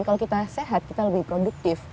kalau kita sehat kita lebih produktif